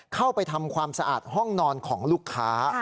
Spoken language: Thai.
เข้าไปทำความสะอาดห้องนอนของลูกค้า